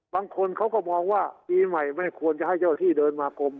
บางคนเขาก็มองว่าปีใหม่ไม่ควรจะให้เจ้าที่เดินมากลม